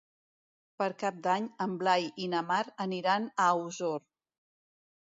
Per Cap d'Any en Blai i na Mar aniran a Osor.